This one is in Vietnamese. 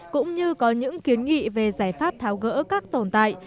cũng như có những kiến nghị về giải pháp tháo gỡ các tồn tại